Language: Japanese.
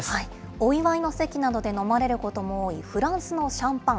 お祝いの席などで飲まれることも多い、フランスのシャンパン。